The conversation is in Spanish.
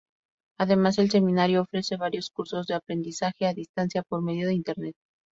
Además el Seminario ofrece varios cursos de aprendizaje a distancia por medio de Internet.